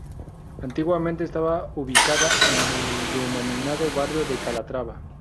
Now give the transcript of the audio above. Antiguamente estaba ubicada en el denominado barrio de Calatrava.